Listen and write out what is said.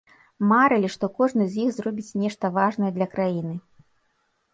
Марылі, што кожны з іх зробіць нешта важнае для краіны.